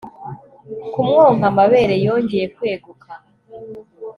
kumwonka amabere yongeye kweguka